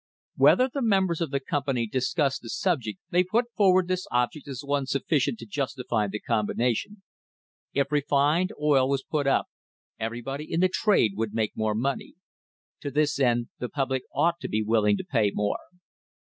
Wherever the members of the company discussed the sub THE HISTORY OF THE STANDARD OIL COMPANY ject they put forward this object as one sufficient to justify the combination. If refined oil was put up everybody in the trade would make more money. To this end the public ought to be willing to pay more.